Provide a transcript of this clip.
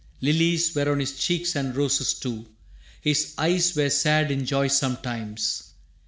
Lilies were on his cheeks and roses too. His eyes were sad in joy sometimes.